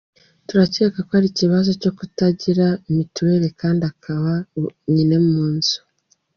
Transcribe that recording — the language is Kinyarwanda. Turakeka ko ari ikibazo cyo kutagira Mitiweri kandi akaba wenyine mu nzu.